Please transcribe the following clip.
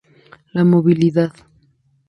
La movilidad.